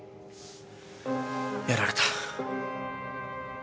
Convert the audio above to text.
やられた。